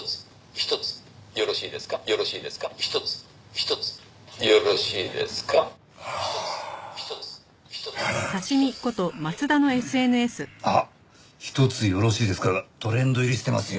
「一つよろしいですか？」がトレンド入りしてますよ。